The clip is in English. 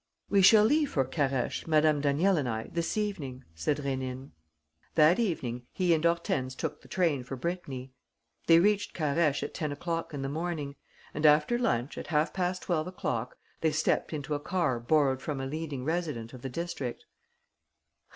"We shall leave for Carhaix, Madame Daniel and I, this evening," said Rénine. That evening he and Hortense took the train for Brittany. They reached Carhaix at ten o'clock in the morning; and, after lunch, at half past twelve o'clock they stepped into a car borrowed from a leading resident of the district.